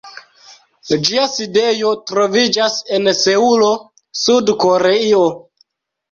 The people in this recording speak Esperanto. Ĝia sidejo troviĝas en Seulo, Sud-Koreio.